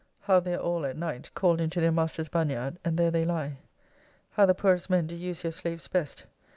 How they are all, at night, called into their master's Bagnard; and there they lie. How the poorest men do use their slaves best.